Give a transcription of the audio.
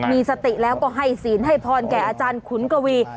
มีสติแล้วก็ให้ศีลให้พรแก่อาจารย์ขุนกวี